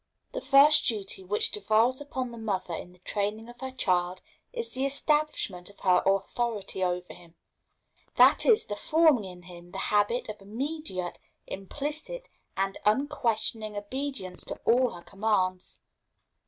The first duty which devolves upon the mother in the training of her child is the establishment of her authority over him that is, the forming in him the habit of immediate, implicit, and unquestioning obedience to all her commands.